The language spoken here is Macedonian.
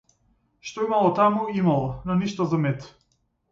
Што имало таму, имало, но ништо за мит.